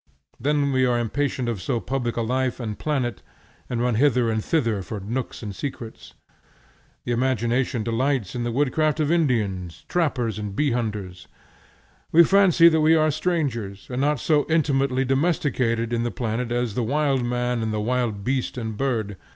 Then we are impatient of so public a life and planet, and run hither and thither for nooks and secrets. The imagination delights in the woodcraft of Indians, trappers, and bee hunters. We fancy that we are strangers, and not so intimately domesticated in the planet as the wild man and the wild beast and bird.